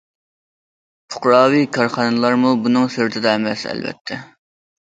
پۇقراۋى كارخانىلارمۇ بۇنىڭ سىرتىدا ئەمەس ئەلۋەتتە.